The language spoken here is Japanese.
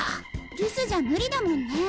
留守じゃムリだもんね。